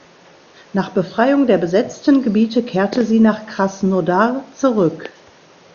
Nach Befreiung der besetzten Gebiete kehrte sie nach Krasnodar zurück.